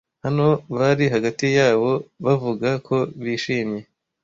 hano bari hagati yabo bavuga ko bishimye